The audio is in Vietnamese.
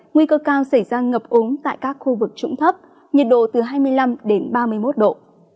nguy cơ cao xảy ra ngập úng tại các khu vực trũng thấp nhiệt độ từ hai mươi năm đến ba mươi một độ